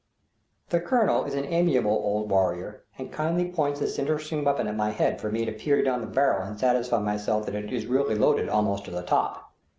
The colonel is an amiable old warrior, and kindly points this interesting weapon at my head for me to peer down the barrel and satisfy myself that it is really loaded almost to the top!